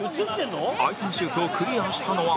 相手のシュートをクリアしたのは